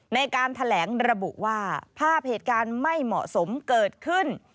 ในการแถลงระบุว่าภาพเหตุการณ์ไม่เหมาะสมเกิดขึ้น